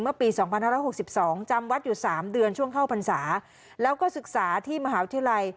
ปี๒๕๖๒จำวัดอยู่๓เดือนช่วงเข้าพรรษาแล้วก็ศึกษาที่มหาวิทยาลัย